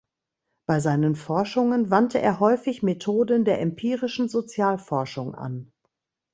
Bei seinen Forschungen wandte er häufig Methoden der empirischen Sozialforschung an.